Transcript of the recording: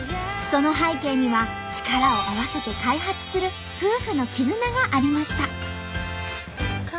その背景には力を合わせて開発する夫婦の絆がありました。